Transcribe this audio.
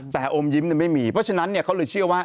แต่อมยิ้มไม่มีเพราะฉะนั้นเขาเลยเชื่อว่า